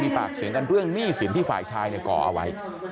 มีปากเสียงกันเรื่องหนี้สินที่ฝ่ายชายก่อเอาไว้